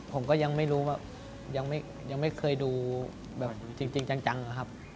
ผมก็ยังไม่รู้แบบยังไม่เคยดูจริงจังครับ